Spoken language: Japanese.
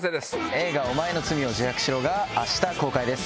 映画『おまえの罪を自白しろ』があした公開です。